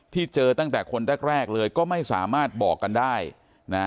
เจอตั้งแต่คนแรกแรกเลยก็ไม่สามารถบอกกันได้นะ